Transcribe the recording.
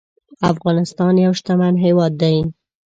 افغانستان يو شتمن هيواد دي